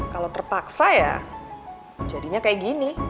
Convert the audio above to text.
kalau terpaksa ya jadinya kayak gini